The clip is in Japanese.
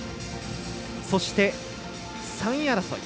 そして、３位争い。